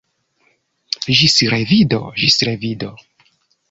Ĝis revido; ĝis revido!